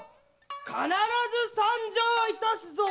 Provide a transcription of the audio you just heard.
必ず参上いたすぞ！